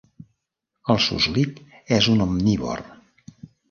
El suslic és un omnívor.